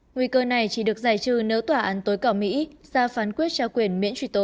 nguy cơ này chỉ được giải trừ nếu tòa án tối cao mỹ ra phán quyết trao quyền miễn truy tố